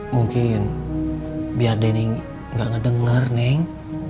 mungkin biar denny gak ngedenger neng